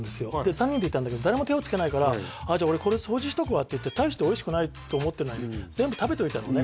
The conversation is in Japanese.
３人で行ったんだけど誰も手をつけないから「じゃあ俺これ掃除しとくわ」って言って大しておいしくないと思ってんのに全部食べといたのね